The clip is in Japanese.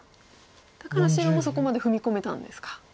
だから白もそこまで踏み込めたんですか。